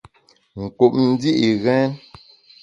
Nkup ndi’ ghèn.